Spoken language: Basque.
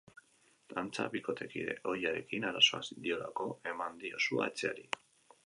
Antza, bikotekide ohiarekin arazoak diolako eman dio sua etxeari.